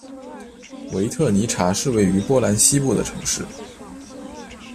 维特尼察是位于波兰西部的城市。